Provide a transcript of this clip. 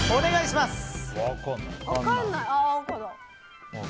分かんない。